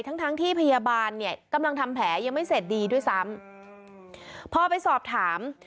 ทั้งทั้งที่พยาบาลเนี่ยกำลังทำแผลยังไม่เสร็จดีด้วยซ้ำพอไปสอบถาม